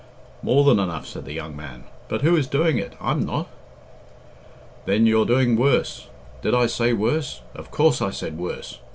"More than enough," said the young man. "But who is doing it? I'm not." "Then you're doing worse. Did I say worse? Of course I said worse.